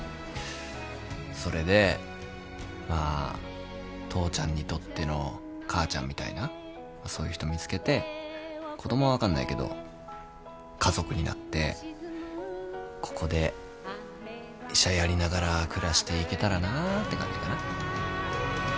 それでまあ父ちゃんにとっての母ちゃんみたいなそういう人見つけて子供は分かんないけど家族になってここで医者やりながら暮らしていけたらなって感じかな。